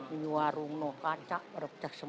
ini warung kaca barok cek semua